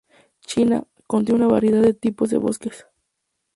China, contiene una variedad de tipos de bosques.